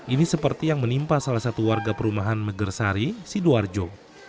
ini seperti yang menimpa salah satu warga perumahan megersari sidoarjo